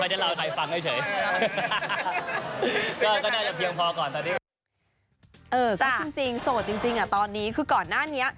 จริง๖ตอนนี้คือก่อนหน้านี้